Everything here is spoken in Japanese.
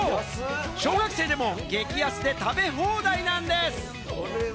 小学生でも激安で食べ放題なんです。